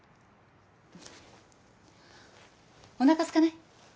おなかすかない？